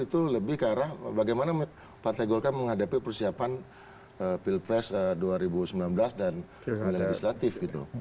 itu lebih ke arah bagaimana partai golkar menghadapi persiapan pilpres dua ribu sembilan belas dan legislatif gitu